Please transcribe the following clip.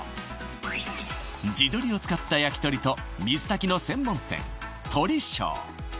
地鶏を使った焼き鳥と水炊きの専門店とり匠